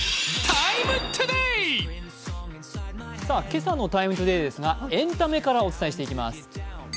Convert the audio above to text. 今朝の「ＴＩＭＥ，ＴＯＤＡＹ」ですが、エンタメからお伝えしていきます。